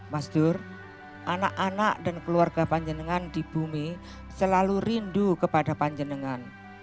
mas dur anak anak dan keluarga panjenengan di bumi selalu rindu kepada panjenengan